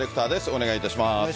お願いいたします。